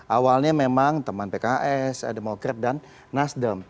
awalnya memang teman pks demokrat dan nasdem